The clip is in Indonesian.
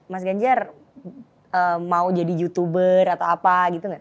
mas ganjar mau jadi youtuber atau apa gitu nggak